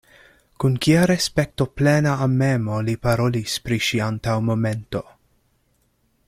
Kun kia respektoplena amemo li parolis pri ŝi antaŭ momento.